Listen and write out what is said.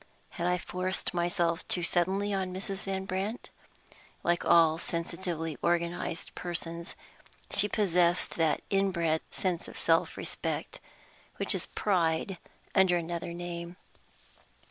Had I forced myself too suddenly on Mrs. Van Brandt? Like all sensitively organized persons, she possessed that inbred sense of self respect which is pride under another name.